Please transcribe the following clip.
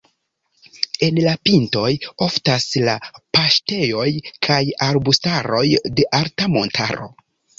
En la pintoj oftas la paŝtejoj kaj arbustaroj de alta montaro.